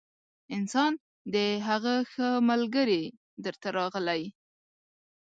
انسان د هغه ښه ملګري در ته راغلی